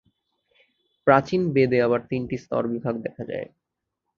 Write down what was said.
প্রাচীন-বেদে আবার তিনটি স্তরবিভাগ দেখা যায়।